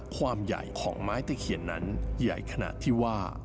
ความใหญ่ของไม้ตะเขียนนั้นใหญ่ขณะที่ว่า